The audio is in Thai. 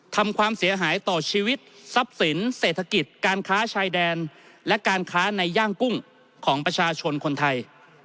ทำความเสียหายต่อชีวิตทรัพย์สินเศรษฐกิจการค้าชายแดนและการค้าในย่างกุ้งของประชาชนคนไทย